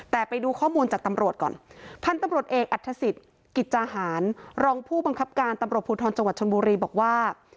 แต่ไปดูข้อมูลจากตำรวจก่อนพันธุ์ตำรวจเอกอัฐศิษย์กิจจาหารรองผู้บังคับการตำรวจภูทรจังหวัดชนบุรีบอกว่า